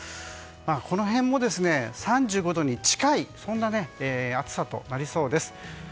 この辺も３５度に近い暑さとなりそうです。